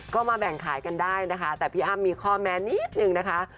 ก็มาแบ่งขายกันได้นะคะแต่พี่อ้ำมีข้อแม้นิดนึงนะคะ